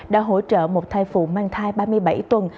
đã hỗ trợ một thai phụ mang thai ba mươi bảy tuần